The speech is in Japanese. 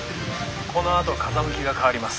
このあと風向きが変わります。